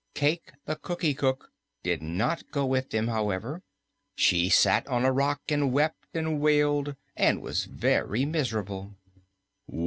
Cayke the Cookie Cook did not go with them, however. She sat on a rock and wept and wailed and was very miserable.